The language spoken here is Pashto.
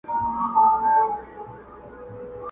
پس له وخته به روان وو كږه غاړه؛